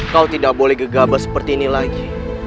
kau tidak boleh gegabah seperti ini lagi